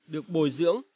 được bồi dưỡng